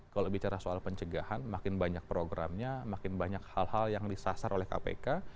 kalau bicara soal pencegahan makin banyak programnya makin banyak hal hal yang disasar oleh kpk